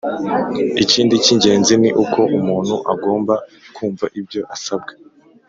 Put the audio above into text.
Ikindi cy ingenzi ni uko umuntu agomba kumva ibyo asabwa